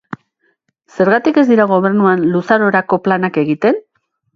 Zergatik ez dira gobernuan luzarorako planak egiten?